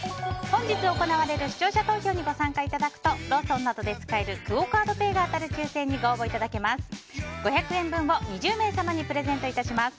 本日行われる視聴者投票にご参加いただくとローソンなどで使えるクオ・カードペイが当たる抽選にご応募いただけます。